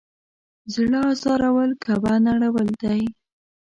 زړه ازارول کعبه نړول دی.